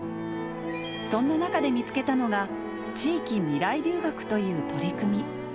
そんな中で見つけたのが、地域みらい留学という取り組み。